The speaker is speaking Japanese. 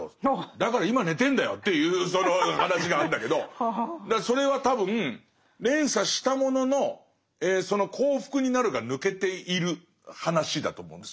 だから今寝てるんだよっていうその話があるんだけどそれは多分連鎖したもののその「幸福になる」が抜けている話だと思うんです。